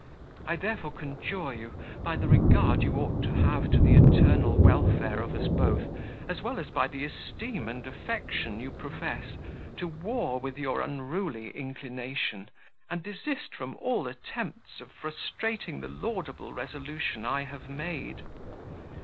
I therefore conjure you, by the regard you ought to have to the eternal welfare of us both, as well as by the esteem and affection you profess, to war with your unruly inclination, and desist from all attempts of frustrating the laudable resolution I have made.